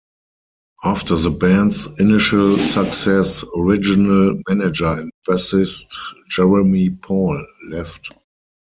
After the band's initial success, original manager and bassist Jeremy Paul left.